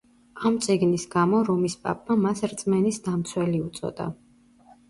ამ წიგნის გამო რომის პაპმა მას „რწმენის დამცველი“ უწოდა.